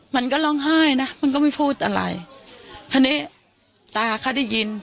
มันก็ร้องไห้นะมันก็ไม่พูดอะไรคราวนี้ตาเขาได้ยิน